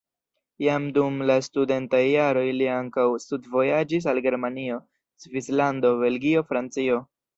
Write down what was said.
Jam dum la studentaj jaroj li ankaŭ studvojaĝis al Germanio, Svislando, Belgio, Francio.